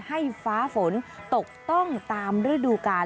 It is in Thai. ให้ฟ้าฝนตกต้องตามฤดูกาล